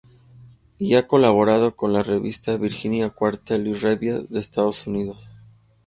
Y ha colaborado con la revista Virginia Quarterly Review, de Estados Unidos.